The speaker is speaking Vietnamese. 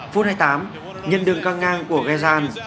phút hai mươi tám nhân đường căng ngang của gezal